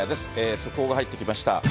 速報が入ってきました。